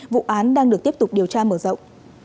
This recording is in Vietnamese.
vụ án đang được tiếp tục điều tra mở rộng